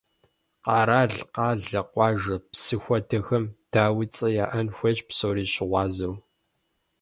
Къэрал, къалэ, къуажэ, псы хуэдэхэм, дауи, цӀэ яӀэн хуейщ псори щыгъуазэу.